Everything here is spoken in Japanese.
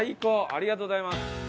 ありがとうございます。